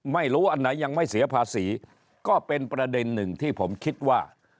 ไม่รู้อันไหนยังไม่เสียภาษีก็เป็นประเด็นหนึ่งที่ผมคิดว่า